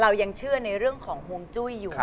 เรายังเชื่อในเรื่องของห่วงจุ้ยอยู่